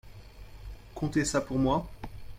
Contez ça pour moi.